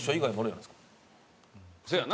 そうやな。